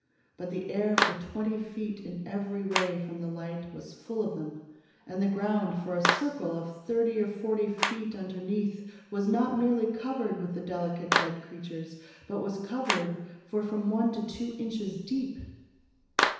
But the air for twenty feet every way from the light was full of them, and the ground for a circle of thirty or forty feet underneath was not merely covered with the delicate dead creatures, but was covered for from one to two inches deep!